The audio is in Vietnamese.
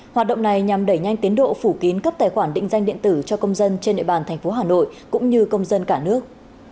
hoạt động này nhằm đẩy nhanh tiến độ phủ kín cấp tài khoản định danh điện tử cho công dân trên địa bàn thành phố hà nội cũng như công dân cả nước